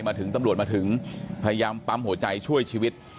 มาถึงตำรวจมาถึงพยายามปั๊มหัวใจช่วยชีวิต